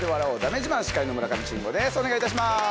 お願いします。